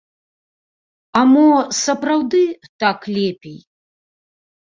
А мо сапраўды так лепей?